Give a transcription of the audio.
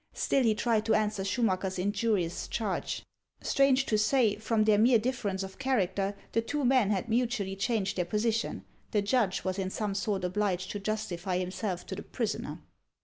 Still, he tried to answer Schumacker's injurious charge. Strange to say, from their mere difference of character, the two men had mutually changed their posi tion ; the judge was in some sort obliged to justify himself to the prisoner.